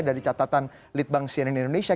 dari catatan litbang cnn indonesia